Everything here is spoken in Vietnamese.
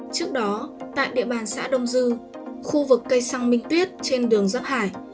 trước đó tại địa bàn xã đông dư khu vực cây xăng minh tuyết trên đường giáp hải